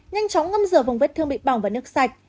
nhanh chóng ngâm rửa vùng vết thương bị bỏng và nước sạch